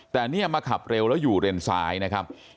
แต่เนี่ยมาขับเร็วแล้วอยู่เลนซ้ายนะครับ